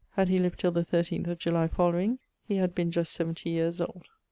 Had he lived till the 13th of July following, he had been just 70 yeares old.